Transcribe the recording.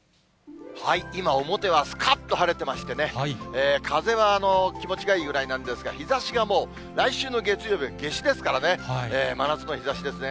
今、表はすかっと晴れてましてね、風は気持ちがいいぐらいなんですが、日ざしがもう、来週の月曜日は夏至ですからね、真夏の日ざしですね。